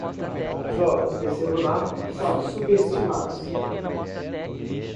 Jogos de celular são subestimados